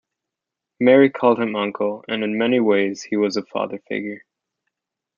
Marie called him 'Uncle', and in many ways he was a father figure.